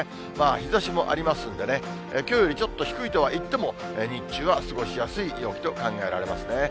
日ざしもありますんでね、きょうよりちょっと低いとはいっても、日中は過ごしやすい陽気と考えられますね。